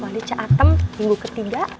wali cak atem minggu ketiga